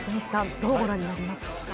どうご覧になりました？